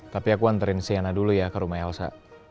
tapi aku anterin siana dulu ya ke rumah elsa